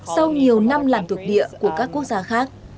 sau nhiều năm làm thuộc địa của các quốc gia khác